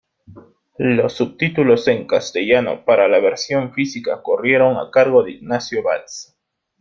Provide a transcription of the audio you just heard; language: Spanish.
Los subtítulos en Castellano para la versión física corrieron a cargo de Ignacio Bats.